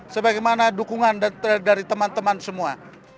sebagaimana dukungan dari teman teman semua